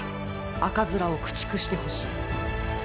赤面を駆逐してほしい！